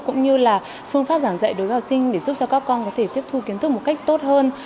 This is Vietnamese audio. cũng như là phương pháp giảng dạy đối với học sinh để giúp cho các con có thể tiếp thu kiến thức một cách tốt hơn